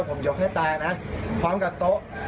ผมยกให้ตายนะพร้อมกับโต๊ะ